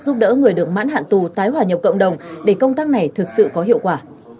giúp đỡ người được mãn hạn tù tái hòa nhập cộng đồng để công tác này thực sự có hiệu quả